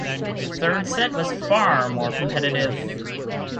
The third set was far more competitive.